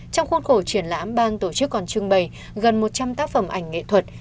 trong khuôn khổ triển lãm ban tổ chức còn trưng bày gần một trăm linh tác phẩm ảnh nghệ thuật